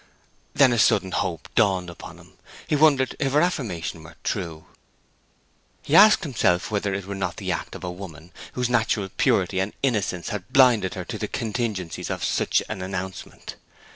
Then a sudden hope dawned upon him; he wondered if her affirmation were true. He asked himself whether it were not the act of a woman whose natural purity and innocence had blinded her to the contingencies of such an announcement.